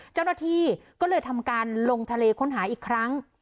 เจ้าหน้าที่ก็เลยทำการลงทะเลค้นหาอีกครั้ง